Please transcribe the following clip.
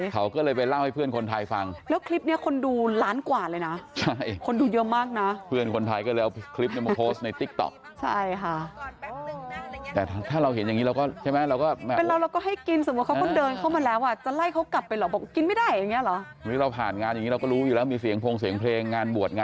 เขาก็เลยไปเล่าให้เพื่อนคนไทยฟังแล้วคลิปเนี้ยคนดูล้านกว่าเลยนะใช่คนดูเยอะมากนะเพื่อนคนไทยก็เลยเอาคลิปเนี่ยมาโพสต์ในติ๊กต๊อกใช่ค่ะแต่ถ้าเราเห็นอย่างนี้เราก็ใช่ไหมเราก็แม่เป็นเราเราก็ให้กินสมมุติเขาก็เดินเข้ามาแล้วอ่ะจะไล่เขากลับไปเหรอบอกกินไม่ได้อย่างเงี้เหรอมีเสียงพงเสียงเพลงงานบวชไง